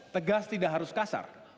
tegas tidak harus kasar